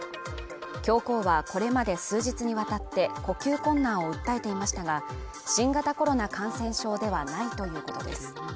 教皇はこれまで数日にわたって呼吸困難を訴えていましたが、新型コロナ感染症ではないということです。